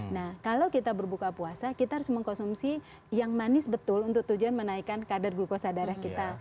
nah kalau kita berbuka puasa kita harus mengkonsumsi yang manis betul untuk tujuan menaikkan kadar glukosa darah kita